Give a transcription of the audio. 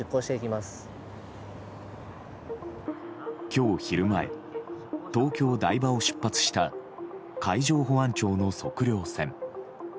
今日昼前東京・台場を出発した海上保安庁の測量船。